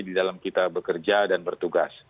di dalam kita bekerja dan bertugas